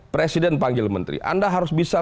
presiden panggil menteri anda harus bisa